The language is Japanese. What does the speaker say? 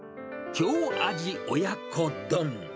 京味親子丼。